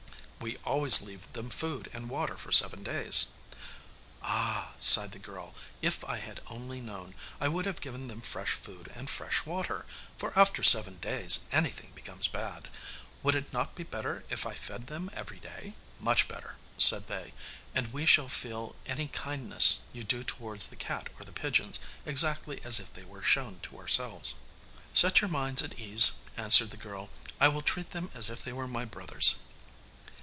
We always leave them food and water for seven days,' replied the brothers. 'Ah,' sighed the girl, 'if I had only known, I would have given them fresh food and fresh water; for after seven days anything becomes bad. Would it not be better if I fed them every day?' 'Much better,' said they, 'and we shall feel any kindnesses you do towards the cat or the pigeons exactly as if they were shown to ourselves.' 'Set your minds at ease,' answered the girl, 'I will treat them as if they were my brothers.